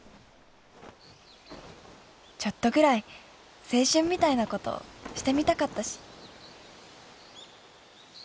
［ちょっとぐらい青春みたいなことしてみたかったし］